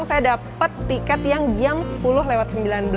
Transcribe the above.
saya dapat tiket yang jam sepuluh lewat sembilan belas